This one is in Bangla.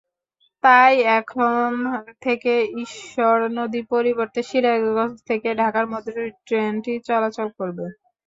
তাই এখন থেকে ঈশ্বরদীর পরিবর্তে সিরাজগঞ্জ থেকে ঢাকার মধ্যে ট্রেনটি চলাচল করবে।